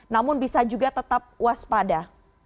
namun bisa juga tetap waspada